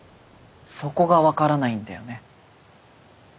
そこが分からないんだよね。